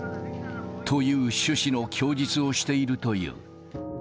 という趣旨の供述をしているという。